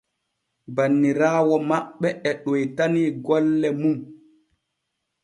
Janŋinoowo maɓɓe e ɗoytani golle mun.